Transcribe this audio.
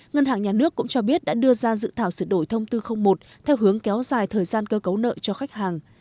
ngân hàng nhà nước cũng cho biết đã đưa ra dự thảo sự đổi thông tư một theo hướng kéo dài thời gian cơ cấu nợ cho khách hàng